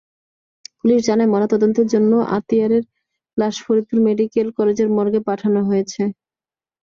Police জানায়, ময়নাতদন্তের জন্য আতিয়ারের লাশ ফরিদপুর মেডিকেল কলেজের মর্গে পাঠানো হয়েছে।